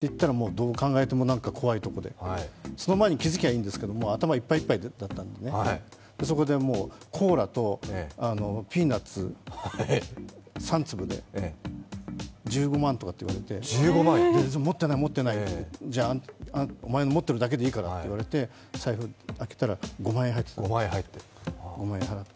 歌舞伎町の中まで入っていって雑居ビルの上まで連れていかれてここいいお店なのよって行ったらどう考えてもなんか怖いところでその前に気づけばいいんですけどもう頭いっぱいいっぱいだったんで、そこでコーラとピーナツ３粒で１５万とかって言われて持ってない、持ってないじゃあ、お前、持ってるだけでいいからって言われて財布開けたら５万円入ってて５万円払って。